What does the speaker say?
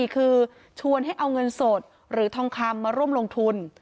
คือชวนให้เอาเงินสดหรือทองคำมาร่วมลงทุน